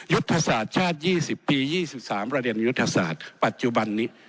ยุทธศาสตร์ชาติ๒๐ปี๒๓ประเด็นยุทธศาสตร์ปัจจุบันนี้